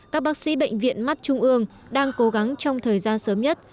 các bác sĩ bệnh viện mắt trung ương đang cố gắng trong thời gian sớm nhất